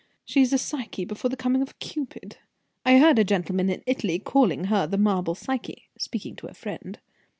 She is a Psyche before the coming of Cupid. I heard a gentleman in Italy calling her 'the marble Psyche,' speaking to a friend."